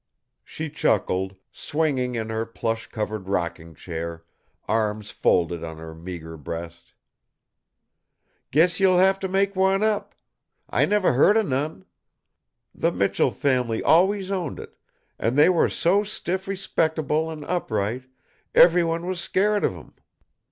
She chuckled, swinging in her plush covered rocking chair, arms folded on her meagre breast. "Guess you'll have to make one up! I never heard of none. The Michell family always owned it and they were so stiff respectable an' upright everyone was scared of 'em!